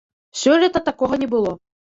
Сёлета такога не было.